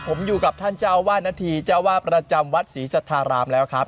ผมอยู่กับท่านเจ้าวาดนาธีเจ้าวาดประจำวัดศรีสัทธารามแล้วครับ